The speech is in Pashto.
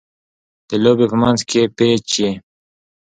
د لوبي په منځ کښي پېچ يي.